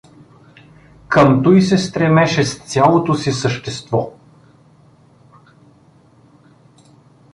Към туй се стремеше с цялото си същество.